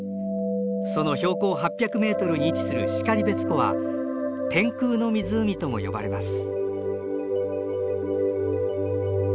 その標高８００メートルに位置する然別湖は天空の湖とも呼ばれます。